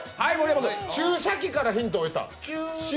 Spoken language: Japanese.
注射器からヒントを得た。